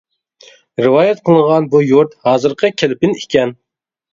رىۋايەت قىلىنغان بۇ يۇرت ھازىرقى كەلپىن ئىكەن.